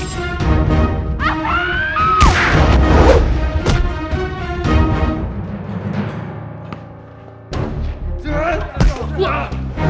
sampai jumpa di video selanjutnya